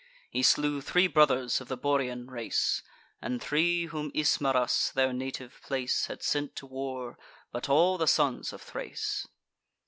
He slew three brothers of the Borean race, And three, whom Ismarus, their native place, Had sent to war, but all the sons of Thrace.